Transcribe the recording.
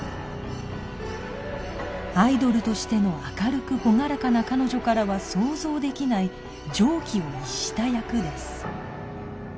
アイドルとしての明るく朗らかな彼女からは想像できない常軌を逸した役です